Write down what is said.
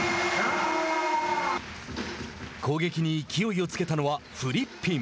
攻撃に勢いをつけたのはフリッピン。